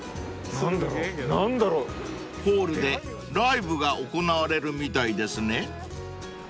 ［ホールでライブが行われるみたいですね］